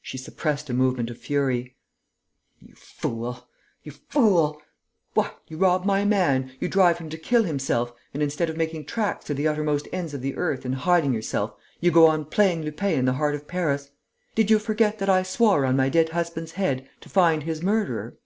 She suppressed a movement of fury: "You fool! You fool!... What! You rob my man, you drive him to kill himself and, instead of making tracks to the uttermost ends of the earth and hiding yourself, you go on playing Lupin in the heart of Paris!... Did you forget that I swore, on my dead husband's head, to find his murderer?"